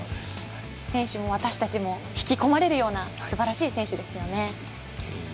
選手も私も引き込まれるようなすばらしい選手ですよね。